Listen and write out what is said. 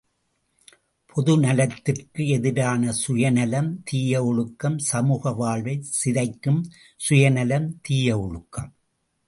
பொது நலத்திற்கு எதிரான சுயநலம் தீய ஒழுக்கம், சமூக வாழ்வைச் சிதைக்கும் சுயநலம் தீய ஒழுக்கம்.